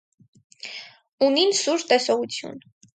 Ունին սուր տեսողութիւն։